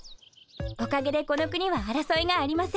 おかげでこの国はあらそいがありません。